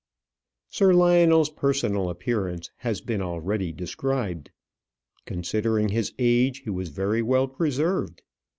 Sir Lionel's personal appearance has been already described. Considering his age, he was very well preserved.